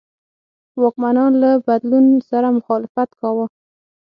واکمنان له بدلون سره مخالفت کاوه.